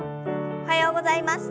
おはようございます。